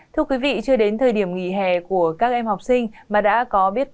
thưa quý vị chưa đến thời điểm nghỉ hè của các em học sinh mà đã có biết